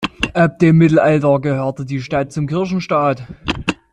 Ab dem Mittelalter gehörte die Stadt zum Kirchenstaat.